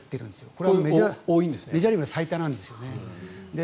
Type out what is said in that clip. これはメジャーリーグで最多なんですね。